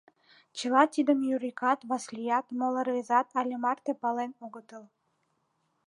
Чыла тидым Юрикат, Васлият, моло рвезат але марте пален огытыл.